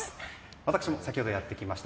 私も先ほどやってきました。